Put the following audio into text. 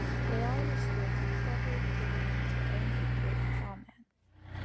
They all restrict corporate ability to own and operate on farmland.